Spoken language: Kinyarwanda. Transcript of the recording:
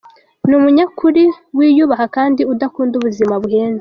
Ni umunyakuri, wiyubaha kandi udakunda ubuzima buhenze.